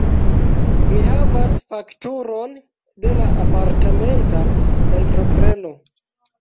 Mi havas fakturon de la apartamenta entrepreno.